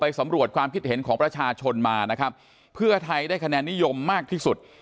สำรวจความคิดเห็นของประชาชนมานะครับเพื่อไทยได้คะแนนนิยมมากที่สุด